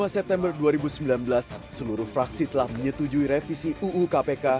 dua puluh september dua ribu sembilan belas seluruh fraksi telah menyetujui revisi uu kpk